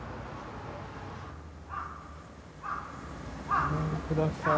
ごめんください。